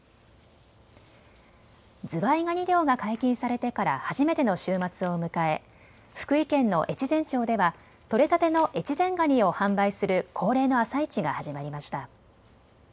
ズワイガニ漁が解禁されてから初めての週末を迎え、福井県の越前町では取れたての越前がにを販売する恒例の朝市が始まりました。